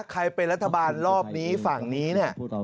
ใครเป็นรัฐบาลรอบนี้ฝั่งนี้เนี่ย